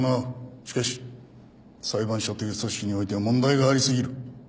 しかし裁判所という組織においては問題があり過ぎる。